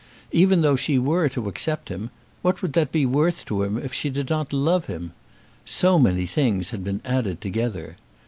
Even though she were to accept him, what would that be worth to him if she did not love him? So many things had been added together!